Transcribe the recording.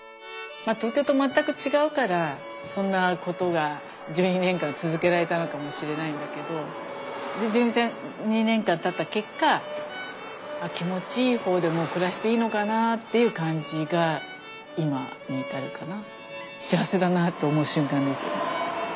東京と全く違うからそんなことが１２年間続けられたのかもしれないんだけどで１２年間たった結果気持ちいい方でもう暮らしていいのかなっていう感じが今に至るかな。